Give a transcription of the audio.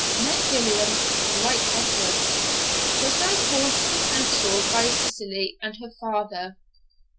Ned Williams (the right Edward) was now called to council by Cicely and her father.